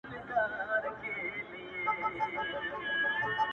د ژوند دوران ته دي کتلي گراني ‘